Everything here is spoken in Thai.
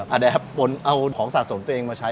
อันแรกพอเอาของสะสมตัวเองมาใช้